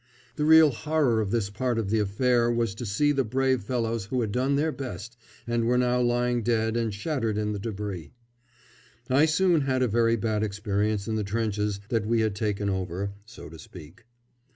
The real horror of this part of the affair was to see the brave fellows who had done their best, and were now lying dead and shattered in the debris. I soon had a very bad experience in the trenches that we had taken over, so to speak.